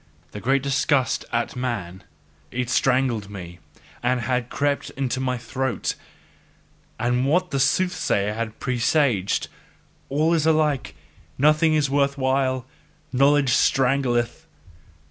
The great disgust at man IT strangled me and had crept into my throat: and what the soothsayer had presaged: "All is alike, nothing is worth while, knowledge strangleth."